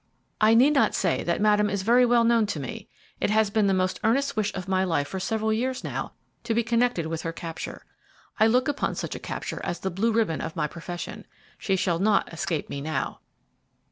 I need not say that Madame is very well known to me. It has been the most earnest wish of my life for several years now to be connected with her capture. I look upon such a capture as the blue ribbon of my profession. She shall not escape me now."